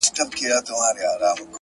• څه چي وایم دروغ نه دي حقیقت دی,